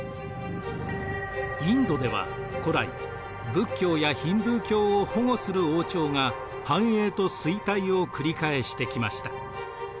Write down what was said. インドでは古来仏教やヒンドゥー教を保護する王朝が繁栄と衰退を繰り返してきました。